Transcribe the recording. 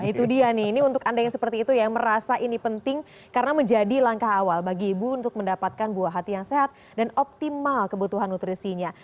nah itu dia nih ini untuk anda yang seperti itu ya merasa ini penting karena menjadi langkah awal bagi ibu untuk mendapatkan buah hati yang sehat dan optimal kebutuhan nutrisinya